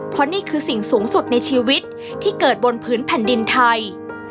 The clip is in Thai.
เพราะนี่คือสิ่งสูงสุดในชีวิตที่เกิดบนพื้นแผ่นดินไทย